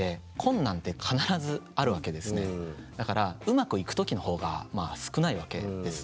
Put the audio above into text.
だからうまくいく時の方が少ないわけです。